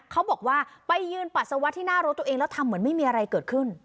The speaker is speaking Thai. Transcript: เขาบอกว่าไปยืนปัสสาวะที่หน้ารถตัวเองแล้วทำเหมือนไม่มีอะไรเกิดขึ้น